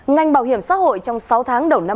ngành bảo hiểm xã hội trong sáu tháng đầu năm